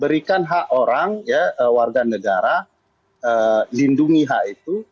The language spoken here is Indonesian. berikan hak orang warga negara lindungi hak itu